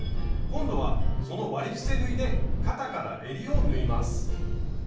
今度はその割り伏せ縫いで肩からえりを縫います。